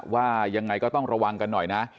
ว่ายังไงก็ต้องระวังกันหน่อยนะ